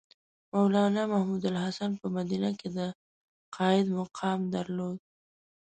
مولنا محمودالحسن په مدینه کې د قاید مقام درلود.